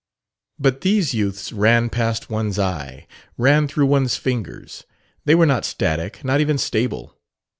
But these youths ran past one's eye, ran through one's fingers. They were not static, not even stable.